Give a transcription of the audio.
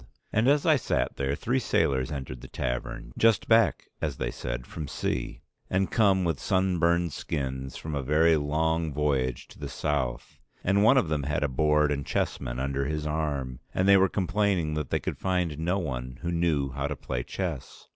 And as I sat there three sailors entered the tavern, just back, as they said, from sea, and come with sunburned skins from a very long voyage to the South; and one of them had a board and chessmen under his arm, and they were complaining that they could find no one who knew how to play chess.